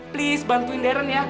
please bantuin deren ya